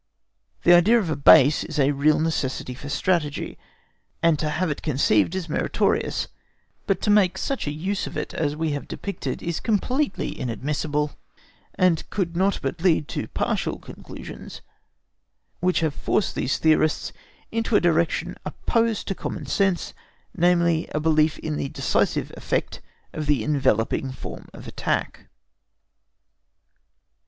The idea of a base is a real necessity for strategy, and to have conceived it is meritorious; but to make such a use of it as we have depicted is completely inadmissible, and could not but lead to partial conclusions which have forced these theorists into a direction opposed to common sense, namely, to a belief in the decisive effect of the enveloping form of attack.